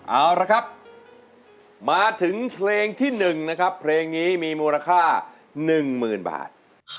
เอาละครับมาถึงเพลงที่๑นะครับเพลงนี้มีมูลค่า๑๐๐๐บาท